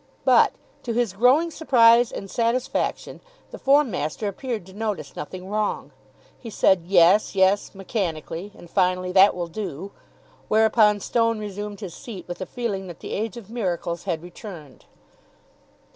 But, to his growing surprise and satisfaction, the form master appeared to notice nothing wrong. He said "Yes, yes," mechanically, and finally "That will do," whereupon Stone resumed his seat with the feeling that the age of miracles had returned.